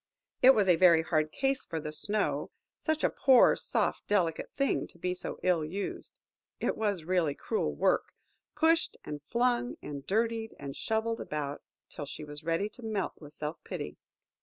It was a very hard case for the snow! Such a poor, soft, delicate thing to be so ill used,–it was really cruel work! Pushed, and flung, and dirtied, and shovelled about till she was ready to melt with self pity.